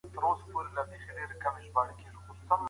څارنوال ودغه راز ته نه پوهېږي